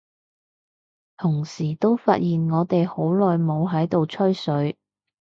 同時都發現我哋好耐冇喺度吹水，